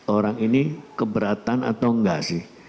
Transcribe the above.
orang ini keberatan atau enggak sih